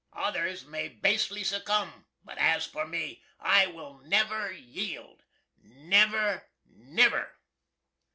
Others may basely succumb, but as for me, I will never yield NEVER, NEVER!"